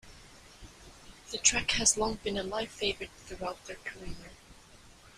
The track has long been a live favourite throughout their career.